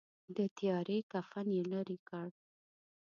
د تیارې کفن یې لیري کړ.